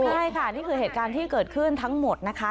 ใช่ค่ะนี่คือเหตุการณ์ที่เกิดขึ้นทั้งหมดนะคะ